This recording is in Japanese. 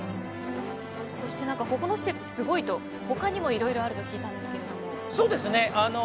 そして、ここの施設すごいところが他にもいろいろあると聞いたんですけども。